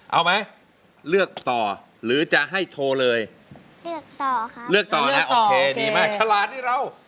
เอาไหมเลือกต่อหรือจะให้โทรเลยเลือกต่อค่ะเลือกต่อนะโอเคดีมากฉลาดนี่เรา